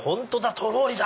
とろりだ！